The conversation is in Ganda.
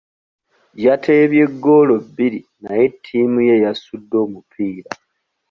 Yateebye ggoolo bbiri naye ttiimu ye yasudde omupiira.